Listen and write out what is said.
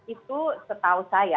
itu setahu saya